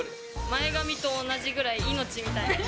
前髪と同じぐらい、命みたいな。